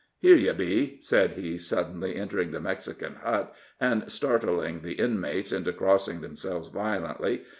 "Here you be," said he, suddenly entering the Mexican hut, and startling the inmates into crossing themselves violently.